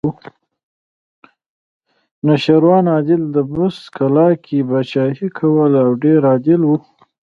نوشیروان عادل د بست کلا کې پاچاهي کوله او ډېر عادل و